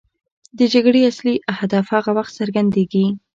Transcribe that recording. د جګړې اصلي هدف هغه وخت څرګندېږي.